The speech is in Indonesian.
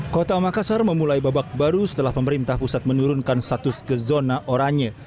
kota makassar memulai babak baru setelah pemerintah pusat menurunkan status ke zona oranye